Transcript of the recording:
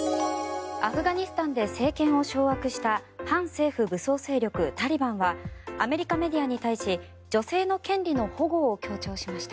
アフガニスタンで政権を掌握した反政府武装タリバンはアメリカメディアに対し女性の権利の保護を強調しました。